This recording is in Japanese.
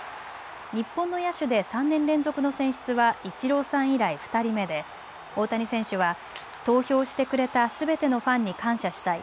日本の野手で３年連続の選出はイチローさん以来、２人目で大谷選手は投票してくれたすべてのファンに感謝したい。